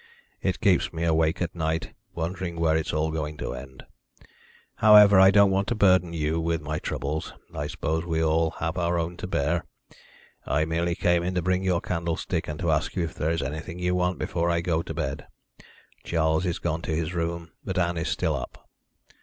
It keeps me awake at night, wondering where it's all going to end. However, I don't want to burden you with my troubles I suppose we all have our own to bear. I merely came in to bring your candlestick, and to ask you if there is anything you want before I go to bed. Charles is gone to his room, but Ann is still up."